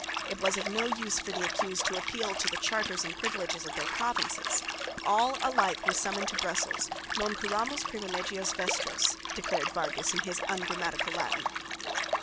It was of no use for the accused to appeal to the charters and privileges of their provinces. All alike were summoned to Brussels; non curamus privilegios vestros declared Vargas in his ungrammatical Latin.